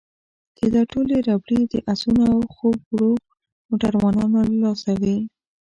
چې دا ټولې ربړې د اسونو او خوب وړو موټروانانو له لاسه وې.